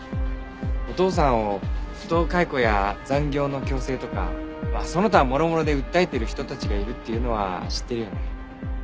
お父さんを不当解雇や残業の強制とかその他諸々で訴えてる人たちがいるっていうのは知ってるよね？